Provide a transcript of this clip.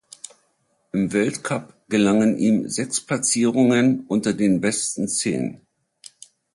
Im Weltcup gelangen ihm sechs Platzierungen unter den besten zehn.